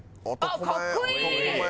あっかっこいい！